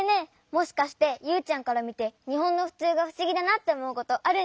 もしかしてユウちゃんからみてにほんのふつうがふしぎだなっておもうことあるんじゃない？